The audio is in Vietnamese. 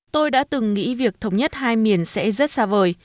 tôi đã từng nghĩ việc thống nhất hai miền sẽ rất xa vời